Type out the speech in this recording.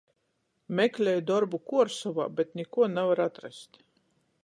Meklej dorbu Kuorsovā, bet nikuo navar atrast.